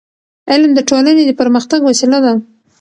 علم د ټولنې د پرمختګ وسیله ده.